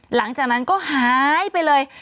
หลังจากนั้นก็หายไปเลย